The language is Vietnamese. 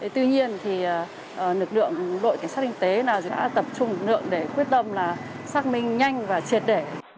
tuy nhiên thì lực lượng đội cảnh sát kinh tế đã tập trung lực lượng để quyết tâm là xác minh nhanh và triệt để